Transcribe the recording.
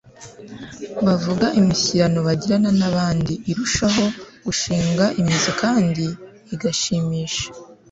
bavuga, imishyikirano bagirana n'abandi irushaho gushinga imizi kandi igashimisha